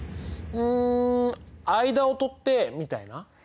うん間を取ってみたいな？